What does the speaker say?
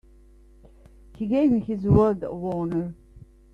He gave me his word of honor.